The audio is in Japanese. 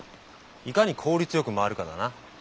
いかに効率よく回るかだな。